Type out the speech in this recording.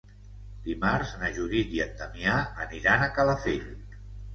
Dimarts na Judit i en Damià aniran a Calafell.